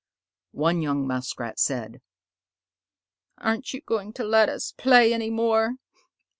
One young Muskrat said, "Aren't you going to let us play any more?"